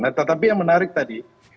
nah tetapi yang menarik tadi